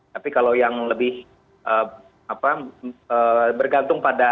tapi kalau yang lebih bergantung pada